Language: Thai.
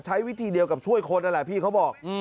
ใช้วิธีเดียวกับช่วยคนนั่นแหละพี่เขาบอก